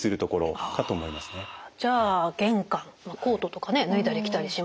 じゃあ玄関コートとか脱いだり着たりしますよね。